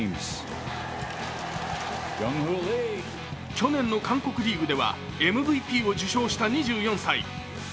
去年の韓国リーグではＭＶＰを受賞した２４歳。